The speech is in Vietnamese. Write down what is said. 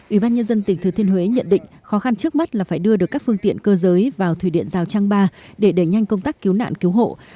ủy ban nhân dân tỉnh thừa thiên huế nhận định khó khăn trước mắt là phải đưa được các phương tiện cơ giới vào thủy điện rào trang ba để đẩy nhanh công tác cứu nạn cứu hộ